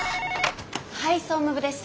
☎はい総務部です。